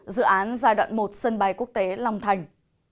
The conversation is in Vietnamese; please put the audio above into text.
dự án giai đoạn một sân bay quốc tế long thành